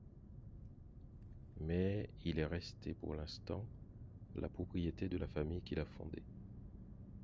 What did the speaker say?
Mais il est resté pour l'instant la propriété de la famille qui l'a fondé.